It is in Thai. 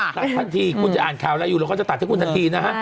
ตัดทันทีคุณจะอ่านข่าวอะไรอยู่เราก็จะตัดให้คุณทันทีนะฮะ